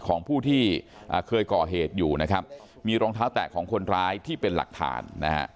ของผู้ที่เคยก่อเหตุอยู่นะครับมีรองเท้าแตะของคนร้ายที่เป็นหลักฐานนะฮะ